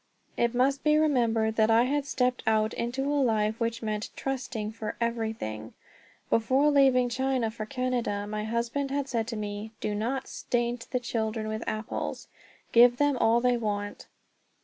It must be remembered that I had stepped out into a life which meant trusting for everything. Before leaving China for Canada my husband had said to me: "Do not stint the children with apples; give them all they want."